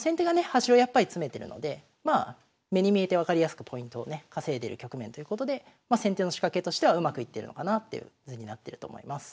端をやっぱり詰めてるので目に見えて分かりやすくポイントをね稼いでる局面ということで先手の仕掛けとしてはうまくいってるのかなという図になってると思います。